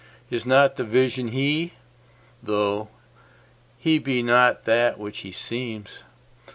Is not the Vision He? tho' He be not that which He seems?